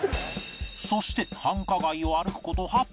そして繁華街を歩く事８分